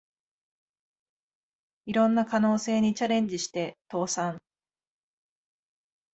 いろんな可能性にチャレンジして倒産